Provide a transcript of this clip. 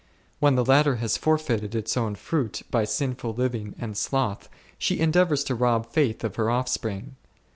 When the latter has forfeited its own fruit by sinful living and sloth, she endeavours to rob Faith of her offspring.